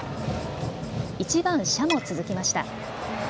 １番・謝も続きました。